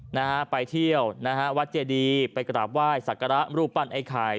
นะฮะไปเที่ยวนะฮะวัดเจดีไปกราบไหว้สักการะรูปปั้นไอ้ไข่